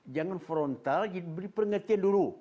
jangan frontal diberi pengertian dulu